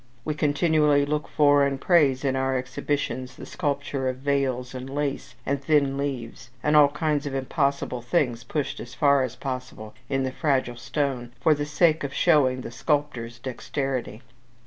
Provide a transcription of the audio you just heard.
We continually look for, and praise, in our exhibitions the sculpture of veils, and lace, and thin leaves, and all kinds of impossible things pushed as far as possible in the fragile stone, for the sake of showing the sculptor's dexterity.